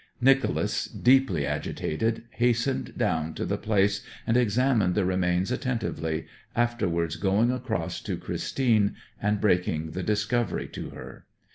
Nicholas, deeply agitated, hastened down to the place and examined the remains attentively, afterwards going across to Christine, and breaking the discovery to her.